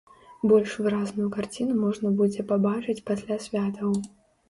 Больш выразную карціну можна будзе пабачыць пасля святаў.